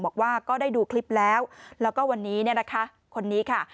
บอกว่าก็ได้ดูคลิปแล้วแล้วก็วันนี้คนนี้ค่ะ